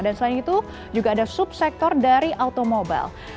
dan selain itu juga ada subsektor dari automobil